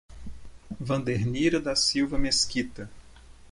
Wandernira da Silva Mesquita